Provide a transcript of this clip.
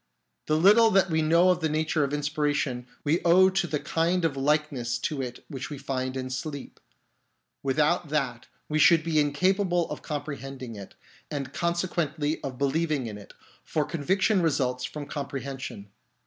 The little that we know of the nature of inspiration we owe to the kind of likeness to it which we find in sleep ; without that we should be incapable of compre hending it, and consequently of believing in it, for conviction results from comprehension.